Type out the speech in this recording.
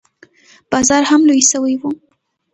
بازار هم لوى سوى و.